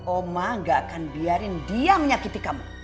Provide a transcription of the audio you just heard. oma gak akan biarin dia menyakiti kamu